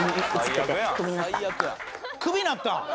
「クビになった？」